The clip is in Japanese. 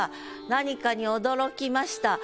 何かに驚きました。